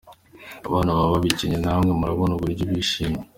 Abana baba babikeneye namwe murabona uburyo bishimye.